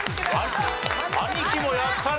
兄貴もやったね。